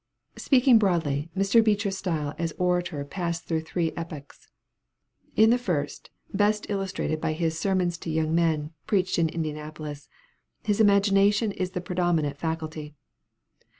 Speaking broadly, Mr. Beecher's style as an orator passed through three epochs. In the first, best illustrated by his 'Sermons to Young Men,' preached in Indianapolis, his imagination is the predominant faculty.